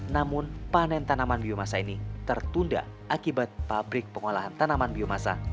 namun panen tanaman biomasa ini tertunda akibat pabrik pengolahan tanaman biomasa